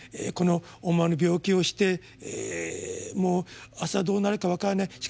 この思わぬ病気をしても朝どうなるか分からない。